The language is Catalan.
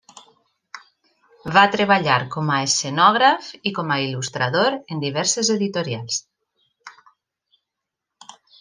Va treballar com a escenògraf i com a il·lustrador en diverses editorials.